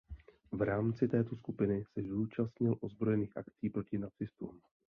V rámci této skupiny se zúčastnil ozbrojených akcí proti nacistům.